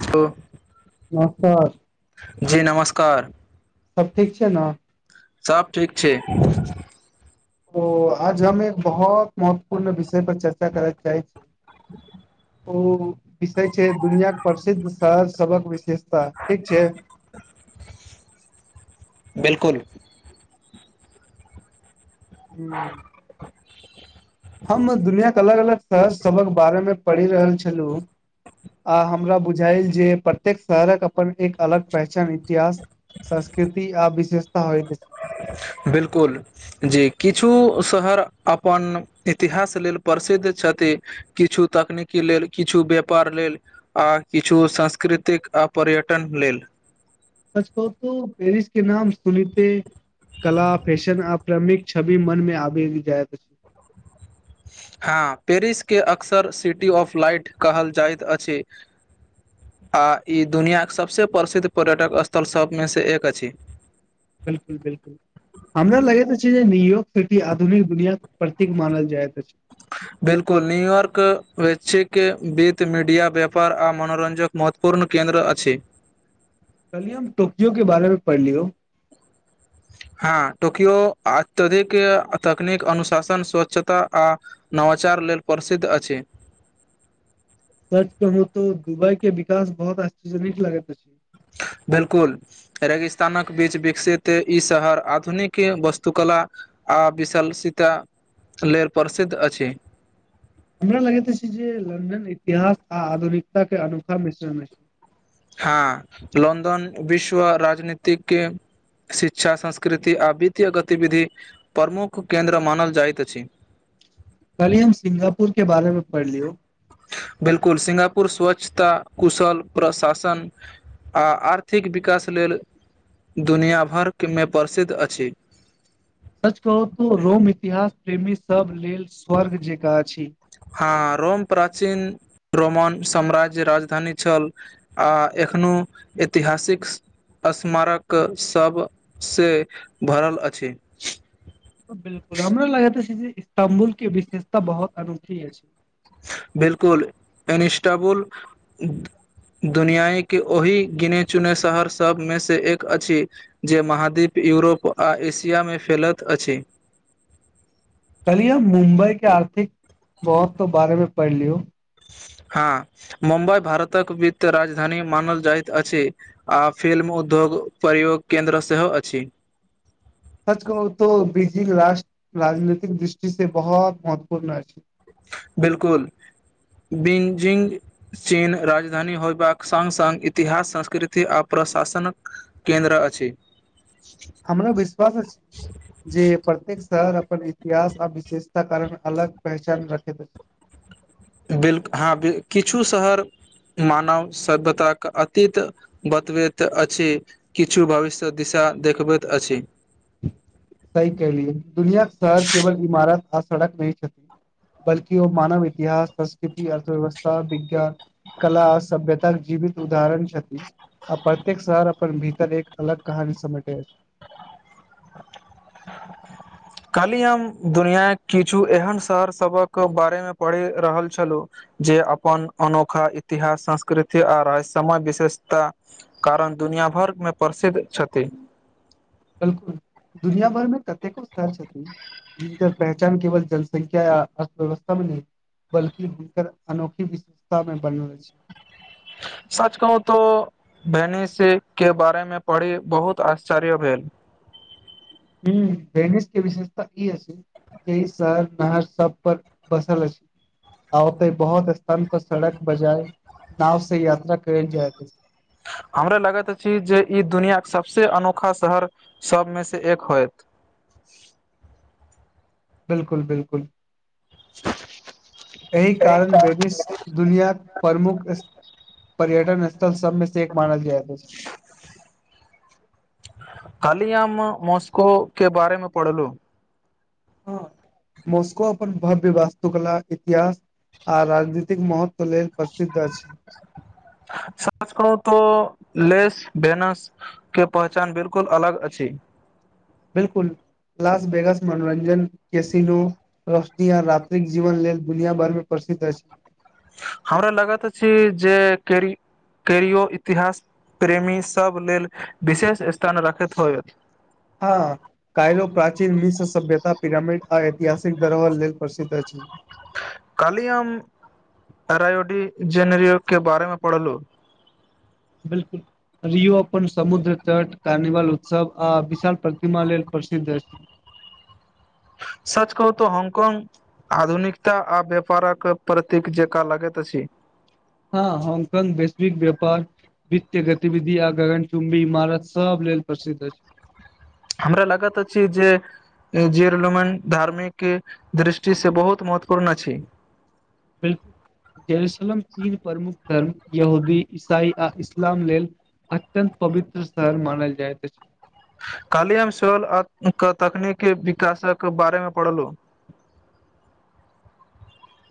त। [unintelligible] जी नमस्कार। सब ठीक छै ने। सभ ठीक छै। ओ आज हम एक बहुत महत्वपूर्ण विषय पर चर्चा करय चाहै छी। [unintelligible] ओ विषय छै दुनियाक प्रसिद्ध शहर सबक विशेषता, ठीक छै। [unintelligible] बिल्कुल। हूं। [unintelligible] हम दुनियाँ के अलग-अलग शहर सभक बारे में पढ़ि रहल छलहुँ। आ हमरा बुझाायल जे प्रत्येक शहरक अपन एक अलग पहचान इतिहास। संस्कृति आ विशेषता होइत। बिल्कुल, जे किछु शहर अपन इतिहास लेल प। सिद्ध छथि, किछु तकनीकी लेल, किछु व्यापार लेल आ किछु संस्कृति। कतेक आ पर्यटन लेल। सच कहू तो पेरिस के नाम सुनैते। कला फेशन आ प्रमिक छबि मन में आबि जायत अछि। हँ, पेरिसके अक्सर सिटी ऑफ लाइट कहल जाइत अछि। आ ई दुनिआाक सबसे प्रसिद्ध पर्यटक स्थल सभमें सँ एक अछि। बिल्कुल, बिल्कुल। हमरा लगैत अछि, जे न्यूयॉर्क सिटी आधुनिक दुनिया के प्रतीक मानल जाइत अछि। बिल्कुल न्यूयॉर्क वैचछिक वीत मीडिया व्यापार आ मनोरञ्जक महत्वपूर्ण क। केन्द्र अछि। कहलिय हम टोकियो के बारे में पढ़लियौ। हँ, टोकियो अत्यधिक तकनीक अनुशासन स्वच्छता आ नव। वाचार लेल प्रसिद्ध अछि। सच कहू त, दुबई के विकास बहुत आश्चर्यजनिक लागैत अति। [inaudible] बिल्कुल, रेगिस्तानक बीच विकसित ई शहर आधुनिक वस्तुकला। आ विशल सीता लेल प्रसिद्ध अछि। हमरा लगैत छै जे लंडन इतिहास आ आधुनिकतााक के अनोखा मिश्रण अइछ। हँ, लन्दन विश्व राजनीतिक। शिक्षा, संस्कृति आ वित्तीय गतिविधि प्रमुख केन्द्र मानल जाइत अछि। कल्हि हम सिंगापुर के बारे में पढ़लियौ। बिल्कुल, सिंगापुर स्वछता, कुशल प्रशासन। आ आर्थिक विकास लेल। दुनिया भरमें प्रसिद्ध अछि। सच कहू तो रोम इतिहास प्रेमी सभ लेल स्वर्ग जेकाँ छी। हां, रोम प्राचीन रोमन साम्राज्य राजधानी छल आ एखनो। ऐतिहासिक। स्मारक सभसँ भरल अछि। बिल्कुल, हमरा लाग छै इस्ताम्बुल के विशेषता बहुत अनोठी अछि। बिल्कुल, एनीस्टाबुल। दुनिया के ओहि गिने-चुने शहर सभमेसँ एक अछि जे महाद्वीप। यूरोप आ एशिया में फैलत अछि। कलिये मुम्बई के आर्थिक महत्व बारे में पढ़लियौ। हँ, मुम्बई भारतक वित्त राजधानी मानल जाइत अछि आ फिल्म। उद्योग प्रयोग केन्द्र सेहो अछि। [unintelligible] सच कहू तो बीजिंग राष्ट्र राजनीतिक दृष्टि से बहुत महत्वपूर्ण अछि। बिल्कुल। बींजिंग चीन राजधानी होयबाक सांग- सांग इतिहास संस्कृति आ। प्रशासन केन्द्र अछि। हमरा विश्वास अछि जे प्रत्येक शहर। अपन इतिहास आ विशेषता कारण अलग पहचान रखैत अछ। बिल हँ किछु शहर। मानव सभ्यताक अतीत बतबैत अछि, किछु भविष्य दिशा। देखबैत अछि। सही कहलियै दुनियाक शहर केवल इमारत आ सड़क नहि छथि, बल्कि ओ मानव इतिहास, संस्कृति, अर्थव्यवस्था, विज्ञान। कला सभ्यता जीवित उदाहरण छथि। आ प्रत्येक शहर अपन भीतर एक अलग कहानी समेटे अछि। काल्हि हम दुनियाक किछु एहन शहर सभक बारे में पढ़ि रहल छलहुँ। जे अपन अनोखा इतिहास, संस्कृति आ राज समय विशेषता कारण द। दुनिया भरमें प्रसिद्ध छथि। बिल्कुल, दुनिया भरमें कतेको शहर छथि। जिनकर पहचान केवल जनसंख्या या अर्थव्यवस्था में नहि। बल्कि हुनकर अनोखी विशेषता में बनल अछि। सच कहू तो भैनीस के बारे मे पढ़ी बहुत आश्चर्य भेल। हूं, भेनिश के विशेषता ई अछि जे शहर। नहर सब पर बसल अछि। आते बहुत स्थान पर सड़क बजाय नाव से यात्रा कैल जाइत अति। हमरा लगैत अछि जे ई दुनिया के सभसँ अनोखा शहर सभमेसँ एक होयत। [unintelligible] बिल्कुल, बिल्कुल। एहि कारण बेेनिस दुनिया प्रमुख। पर्यटन स्थल सबमें से एक मानल जायत अछि। काल्हि हम मॉस्को के बारे में पढ़लू। हँ मॉस्को अपन भव्य वास्तुकला, इतिहास। आ राजनीतिक महत्व लेल प्रसिद्ध अछि। सच कहू तो लेस भेनस के पहचान बिल्कुल अलग अछि। बिल्कुल। लांस वेनस मनोरञ्जन, कैसिनो, रोशनी आ रात्रिक जीवन लेल दुनिया भर में प्र। सिद्ध अछि। हमरा लागत अछी जे केरी। करियओ इतिहास प्रेमी सभ लेल विशेष स्थान राखैत होयत। हँ। कायरो प्राचीन मिश्र सभ्यता, पिरामिड आ ऐतिहासिक धरोहर लेल प्रसिद्ध अछि। कलियम। अरायोडी जेनरियो के बारे में पढ़लहु। बिल्कुल। रियओ अपन समुद्र तट, कार्निवाल उत्सव आ विशाल प्रतिमा लेल प्रसिद्ध अछि। [unintelligible] [unintelligible] सच कहू तऽ हॉन्गकॉन्ग। आधुनिकता आ व्यापारक प्रतीक जेका लागैत अछि। ठीक व्यापार। वित्तय गतिविधि आ गगन चुम्बी इमारत सब लेल प्रसिद्ध अछि। हमरा लागत अछि जे। जेरलमन धार्मिक दृष्टिसँ बहुत महत्वपूर्ण अछि। बिल्कुल। यरुसलम तीन प्रमुख धर्म यूहदी, ईसाई आ इस्लाम लेल। अत्यंत पवित्र शहर मानल जाइत अछि। काल्हि हम सल आ तकनीकी विकासक बारे में पढ़लहुँ। [unintelligible]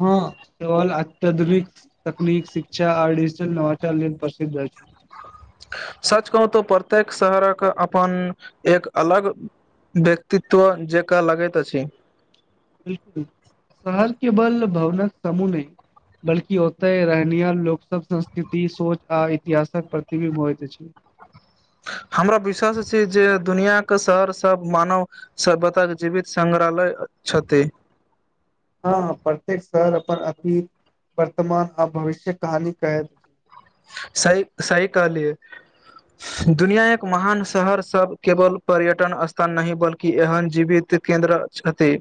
हँ सेल अत्यधुनिक तकनीक शिक्षा आर नवचार लेल प्रसिद्ध अछि। [unintelligible] सच कहू तऽ प्रत्येक शहरक अपन एक अलग। व्यक्तित्व जेकाँ लागैत अछि। बिल्कुल, शहर केवल भवनक समूह नहि। बल्कि ओतहि रहनियार लोकसभ संस्कृति सोच आ इतिहासक प्रतिबिंब होयत अछि। हमरा विश्वास छै जे दुनिया। शहर सब मानव सभ्यता के जीवित संग्रहालय। छथि हँ प्रत्येक शहर। पर अथी वर्तमान आ भविष्य कहानी कैद। सही, सही कहलियै। दुनिया एक महान शहर सब केवल पर्यटन स्थान नहि बल्कि एहन जीवित। केंन्द्र छथि,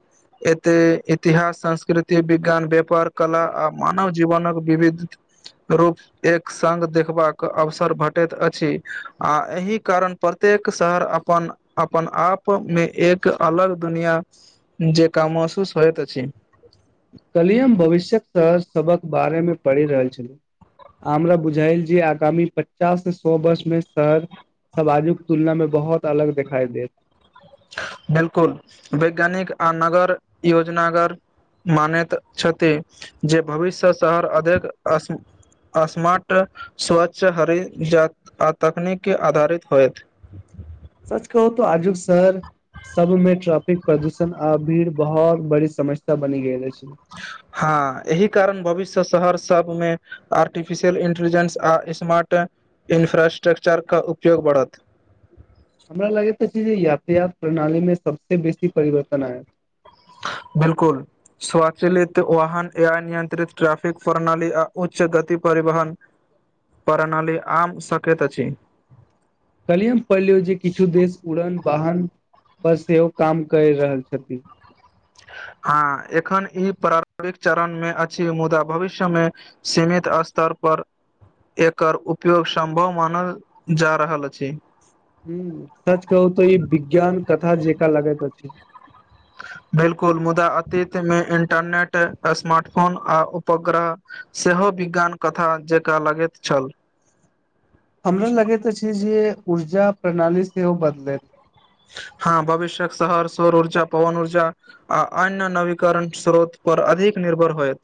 एतय इतिहास, संस्कृति, विज्ञान, व्यापार कला आ म। मानव जीवन विविध रूप एक। सङ्ग देखबाक अवसर भेटैत अछि, आ एहि कारण प्रत्येक शहर अपन। अपन आप में एक अलग दुनिया जेका महसूस होइत अछि। कलियम भविष्यक शहर सभक बारे में पढ़ि रहल छलॅहु। हमरा बुझायल जे आगामी पचास से सौ वर्ष में सर। सब आजुक तुलना में बहुत अलग दिखाई देत। बिल्कुल, वैज्ञानिक आ नगर योजनागर। मानैत छथि, जे भविष्य शहर अधिक अ। स्मार्ट, स्वच्छ, हरित जा आ तकनीकँ आधारित होयत। सच कहू तऽ आजुक शहर। सब में ट्राफिक, प्रदूषण आ भीड़ बहुत बड़ी समस्या बनी गेल अछि। हँ एहि कारण भविष्य। शहर सभमें आर्टिफिशियल इंटेलिजेंस आ स्मार्ट। इन्फ्रास्ट्रक्चरके उपयोग बढ़त। हमरा लागैत अछि जे यातायात प्रणाली में सभस बेसी परिवर्तन आयत। बिल्कुल, स्वचलित वाहन, अनियंत्रित ट्रैफिक प्रणाली आ उच्च गति पर। परिवहन प्रणाली आम सकैत अछि। कल्हि हम पलियौ जे किछु देश उड़न। वाहन पर सेहो काम कर रहल छथि। हँ, एखन ई प्रारम्भिक चरण में अछि मुदा भविष्य में सीमित अ। स्तर पर, एकर उपयोग सम्भव मानल जा रहल अछि। ह सच कहू त ई विज्ञान कथा जेका लगैत अछि। बिल्कुल, मुदा अतीत में मे इंटरनेट स्मार्ट फोन आ उपग्रह। सेहो विज्ञान कथा जकाँ लगैत छल। हमरा लगैत अछि, जे ऊर्जा प्रणाली सेहो बदलथि। [inaudible] हँ भविष्यक शहर सौर ऊर्जा पवन ऊर्जा आ अन्य नवीकरण स्रोत पर अधिक। निर्भर होयत।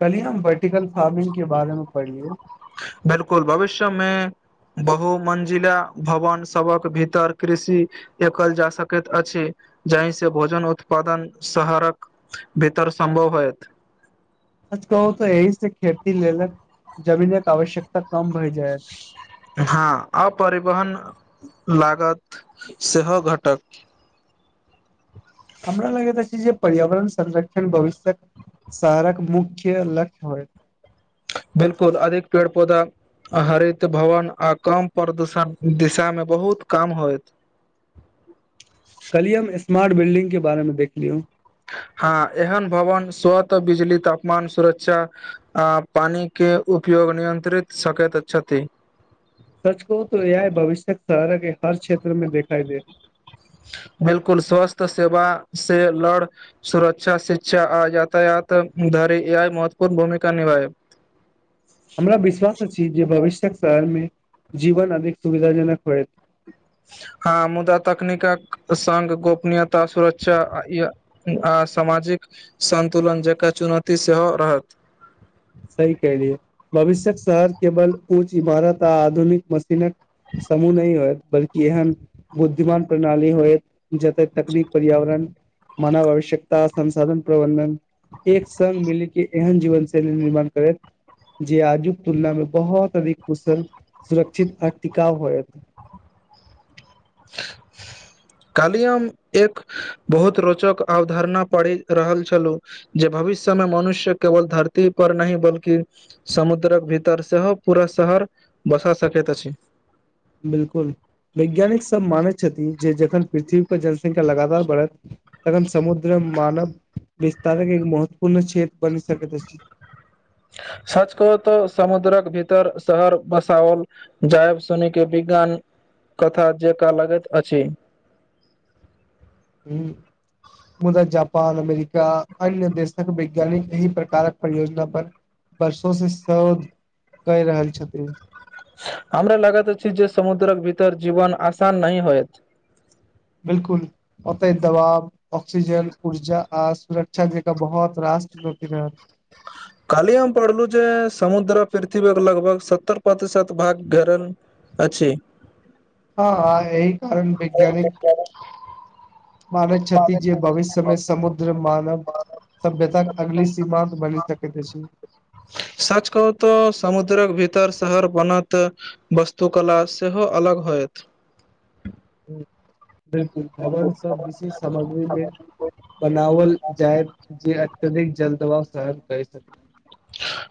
कलिय हम वर्टिकल फार्मिंग के बारे में पढ़िलियौ। बिल्कुल भविष्य में। बहुमंजिला भवन सभक भीतर कृषि एकल जा सकैत अछि। जाहिसँ भोजन उत्पादन शहरक भीतर सम्भव होयत। सच कहू तऽ यही से खेती लेलक जमीन के आवश्यकता कम। भय जायत हँ आ परिवहन लागत सेहो घटत। हमरा लागैत अछि जे पर्यावरण संरक्षण भविष्यक शहरक मुख्य लक्ष्य होय। बिलकुल अधिक पेड़ पौधा आ हरित भवन आ कम प्रदूषण दिशा मे बहुत काम होइत। [unintelligible] कलियम स्मार्ट बिल्डिंग के बारेमे देख लियौ। [unintelligible] हँ एहन भवन स्वत बिजली तापमान सुरक्षा आ पानी के उपयोग रोग नियन्त्रित सकैत छथि। सच कहु तो यैह भविष्यक शहरक हर क्षेत्र में देखाई देत। [inaudible] बिलकुल स्वस्थ सेवा से लड़ सुरक्षा, शिक्षा आ यातायात धरि ए आइ महत्वपूर्ण भूमिका निभायत। [inaudible] हमरा विश्वास अछि जे भविष्य्यक शहरमे जीवन अधिक सुविधाजनक होयत। [inaudible] आ मुदा तकनीकक सङग गोपनीयता सुरक्षा आ ई आ सामाजिक। सन्तुलन जेकर चुनौती सेहो रहत। सही कहलियै। भविष्यक शहर केवल ऊँच इमारत आ आधुनिक मशीनक समूह नहि होयत। बल्कि एहन बुद्धिमान प्रणाली होयत। जतय तकनीक पर्यावरण मानव आवश्यकता संसाधन प्रबंधन एक सङ्ग मिलि के एहन जीवन स सब निर्माण करत। जे आजुक तुलना मे बहुत अधिक कुशल सुरक्षित आर टिकाउ होयत‌‌। [inaudible] कालि हम एक बहुत रोचक अवधारणा पढ़ि रहल छलहुँ जे। भविष्यमे मनुष्य केवल धरती पर नहिँ बल्कि समुद्रक भीतर सेहो पूरा स घर बसा सकैत अछि। बिलकुल वैज्ञानिक सब मानैत छथि जे जखन पृथ्वी पर जनसंख्या लगातार बढ़त तखन समुद्र मे मानव विस्तारक एक महत्वपूर्ण क्षेत्र बनि सकैत अछि। सच कह तऽ समुद्रक भीतर शहर बसाओल जायब सुनी के विज्ञान कथा जेकाँ लगैत अछि। ई [inaudible] मुदा जापान अमेरिका अन्य देशक वैज्ञानिक एहि प्रकारक परियोजना पर। बर्षों से शोध कए रहल छथिन। हमरा लागत अछि जे समुद्रक भीतर जीवन आसान नहि होयत‌। बिलकुल ओतय दबाव ऑक्सीजन ऊर्जा आ सुरक्षा जेकाँ बहुत रहा कष्ट भऽ के रहत। काली हम पढ़लु जे समुद्र पिर्थवीक लगभग सत्तर प्रतिशत भाग घेरल अछि हँ आइ एहि। कारण वैज्ञानिक मानैत छथि जे भविष्यमे समुद्र मानव सभ्यतााक अगली सच सीमा त बलि सकैत अछी। सच कहू तऽ समुद्रक भीतर शहर बनत। तऽ वस्तुकला सेहो अलग होयत। [unintelligible] बिलकुल भवन सब विशेष सामग्रीमे बनाओल जायत। जे अत्यधिक जलदबाव सहन करि सकै।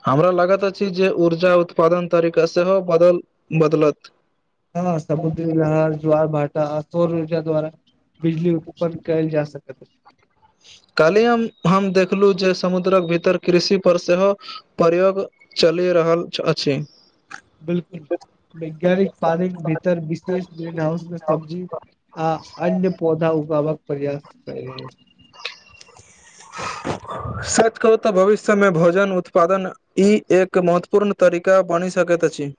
हमरा लागति अछि जे ऊर्जा उत्पादन तरीका सेहो बदल बदलत। हँ समुद्री लहर ज्वारभाटा आ सौर ऊर्जा द्वारा बिजली उत्पन्न कैल जा सकत अछि। काल्हि हम हम देखलू जे समुद्रक भीतर कृषि पर सेहो प्रयोग च चलि रहल अछि। बिलकुल वैज्ञानिक पानिक भीतर विशेष ग्रीन हाउस मे सब्जी आ अन्य पौधा उगाबक प्रयास करि रहल छै। सच कहू तऽ भविष्यमे भोजन उत्पादन ई एक महत्वपूर्ण तरीका ब बनि सकैत अछि।